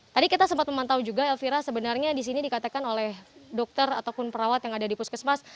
tadi kita sempat memantau juga elvira sebenarnya di sini dikatakan oleh dokter ataupun perawat yang ada di puskesmas